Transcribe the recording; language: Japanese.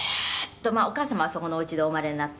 「お母様はそこのおうちでお生まれになった？」